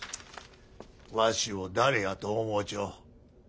わしを誰やと思うちゅう？